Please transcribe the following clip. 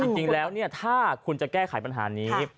จริงแล้วถ้าคุณจะแก้ไขปัญหานี้